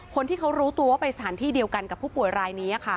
คนที่เขารู้ตัวว่าไปสถานที่เดียวกันกับผู้ป่วยรายนี้